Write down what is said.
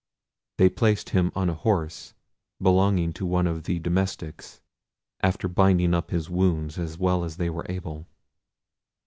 They placed him on a horse belonging to one of the domestics, after binding up his wounds as well as they were able.